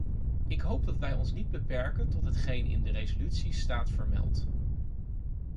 Ik hoop dat wij ons niet beperken tot hetgeen in de resoluties staat vermeld.